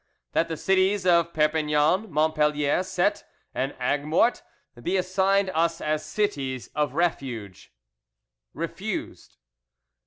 That the cities of Perpignan, Montpellier, Cette, and Aiguemortes be assigned us as cities of refuge. 'Refused.